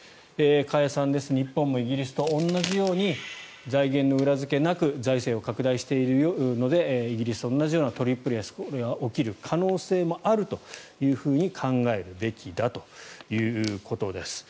加谷さんです日本もイギリスと同じように財源の裏付けなく財政を拡大しているのでイギリスと同じようなトリプル安が起こる可能性もあると考えるべきだということです。